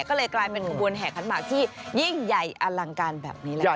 ก็เลยกลายเป็นขบวนแห่ขันหมากที่ยิ่งใหญ่อลังการแบบนี้แหละค่ะ